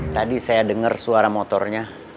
tadi saya dengar suara motornya